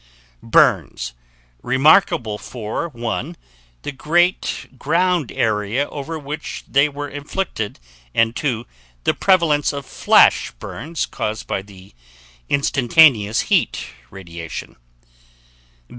Burns, remarkable for (1) the great ground area over which they were inflicted and (2) the prevalence of "flash" burns caused by the instantaneous heat radiation.